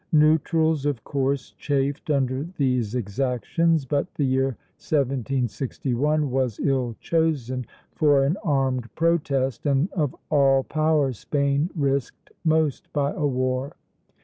Neutrals of course chafed under these exactions; but the year 1761 was ill chosen for an armed protest, and of all powers Spain risked most by a war.